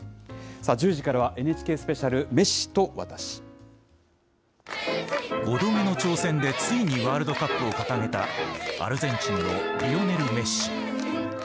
１０時からは、ＮＨＫスペシャル、５度目の挑戦でついにワールドカップを掲げた、アルゼンチンのリオネル・メッシ。